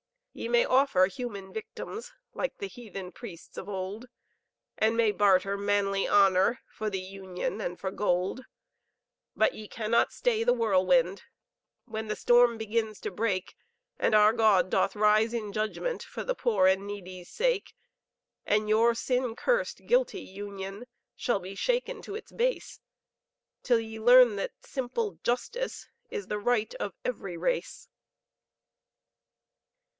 Ye may offer human victims, Like the heathen priests of old; And may barter manly honor For the Union and for gold. But ye can not stay the whirlwind, When the storm begins to break; And our God doth rise in judgment, For the poor and needy's sake. And, your sin cursed, guilty Union, Shall be shaken to its base, Till ye learn that simple justice, Is the right of every race.